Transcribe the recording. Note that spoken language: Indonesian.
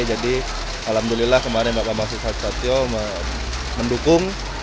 jadi alhamdulillah kemarin pak bambang susatyo mendukung